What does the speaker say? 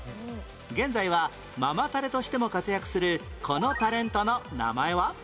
現在はママタレとしても活躍するこのタレントの名前は？